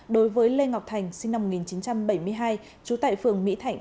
đối với lê ngọc thành sinh năm một nghìn chín trăm bảy mươi hai trú tại phường mỹ thạnh